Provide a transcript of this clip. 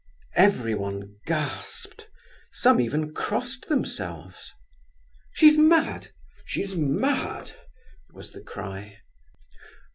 Everyone gasped; some even crossed themselves. "She's mad—she's mad!" was the cry.